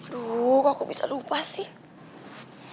aduh kok bisa lupa sih